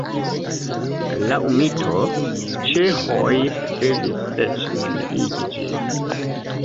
Laŭ mito ĉeĥoj devis eĉ neniigi ĝin.